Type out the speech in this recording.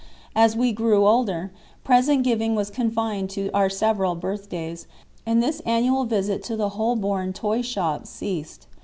As we grew older, present giving was confined to our several birthdays, and this annual visit to the Holborn toy shop ceased.